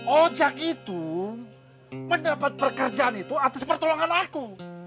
ojek itu mendapat pekerjaan itu atas pertolongan aku